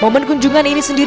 momen kunjungan ini sendiri